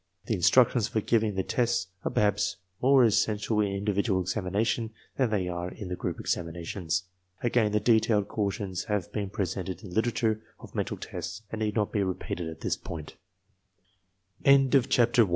The instructions for giving the tests are perhaps more essential in individual examination than they are in the group examinations. Again, the detailed cautions have been presented in the literature of mental tests and need not be repeated